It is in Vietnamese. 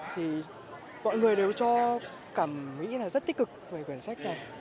thì mọi người đều cho cảm nghĩ là rất tích cực về quyển sách này